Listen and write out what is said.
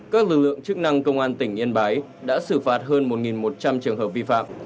các lực lượng chức năng công an tỉnh yên bái đã xử phạt hơn một một trăm linh trường hợp vi phạm